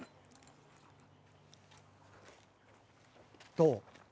どう？